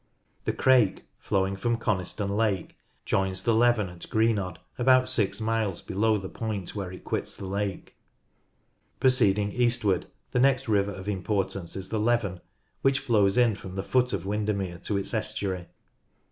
The Crake, flowing from Coniston Lake, joins the Leven at Greenodd, about six miles below the point where it quits the lake. Proceeding eastward, the next river of importance is the Leven, which flows from the foot of Windermere to its estuary.